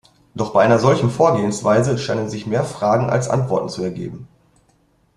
Doch bei einer solchen Vorgehensweise scheinen sich mehr Fragen als Antworten zu ergeben.